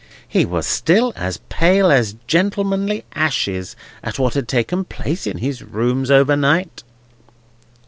He was still as pale as gentlemanly ashes at what had taken place in his rooms overnight."